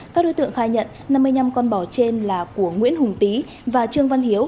các đối tượng khai nhận năm mươi năm con bò trên là của nguyễn hùng tý và trương văn hiếu